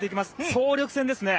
総力戦ですね。